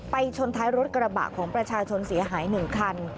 ชนท้ายรถกระบะของประชาชนเสียหาย๑คัน